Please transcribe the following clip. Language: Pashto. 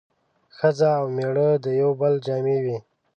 ښځه او مېړه د يو بل جامې وي